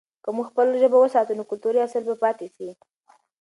که موږ خپله ژبه وساتو، نو کلتوري اصل به پاته سي.